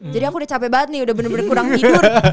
jadi aku udah capek banget nih udah bener bener kurang tidur